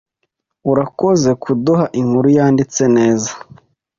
Urakoze kuduha inkuru yanditse neza.